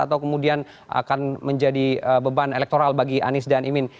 atau kemudian akan menjadi beban elektoral bagi anies dan imin